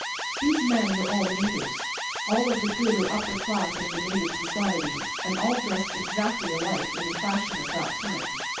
These men were all natives, all of the good or upper class of the native society, and all dressed exactly alike in the fashion of that time.